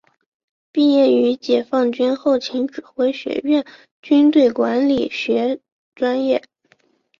毕业于解放军后勤指挥学院军队管理学专业。